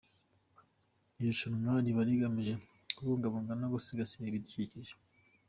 Iri rushanwa riba rigamije kubungabunga no gusigasira ibidukikije.